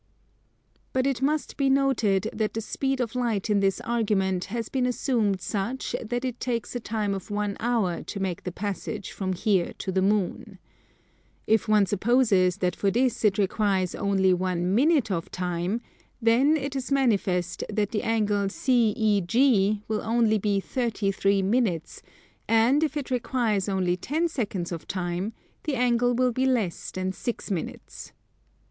But it must be noted that the speed of light in this argument has been assumed such that it takes a time of one hour to make the passage from here to the Moon. If one supposes that for this it requires only one minute of time, then it is manifest that the angle CEG will only be 33 minutes; and if it requires only ten seconds of time, the angle will be less than six minutes.